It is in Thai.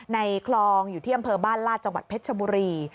ในคลองอยู่ที่อำเภอบ้านลาดจังหวัดเพชรชบุรี